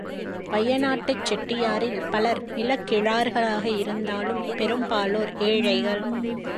வயநாட்டுச் செட்டியரில் பலர் நிலக்கிழார்களாக இருந்தாலும், பெரும்பாலோர் ஏழைகள்.